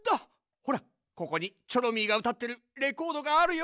ほらここにチョロミーがうたってるレコードがあるよ。